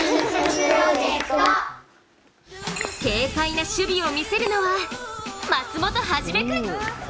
軽快な守備を見せるのは松本一君。